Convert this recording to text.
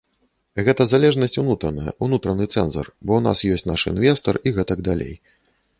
Гэта залежнасць унутраная, унутраны цэнзар, бо ў нас ёсць наш інвестар і гэтак далей.